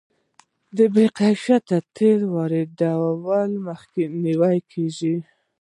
د بې کیفیته تیلو واردولو مخه نیول کیږي.